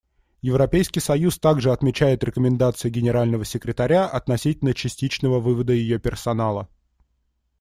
Европейский союз также отмечает рекомендации Генерального секретаря относительно частичного вывода ее персонала.